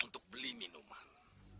untuk beli minuman